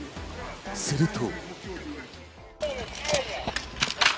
すると。